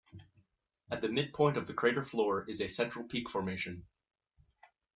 At the midpoint of the crater floor is a central peak formation.